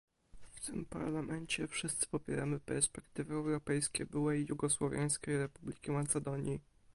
W tym Parlamencie wszyscy popieramy perspektywy europejskie Byłej Jugosłowiańskiej Republiki Macedonii